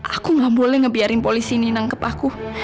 aku gak boleh ngebiarin polisi nih nangkep aku